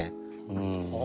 うん。